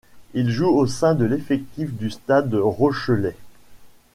Il joue au sein de l'effectif du Stade rochelais.